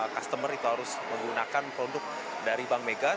customer itu harus menggunakan produk dari bank mega